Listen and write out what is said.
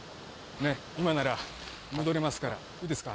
ね、今なら戻れますから、いいですか。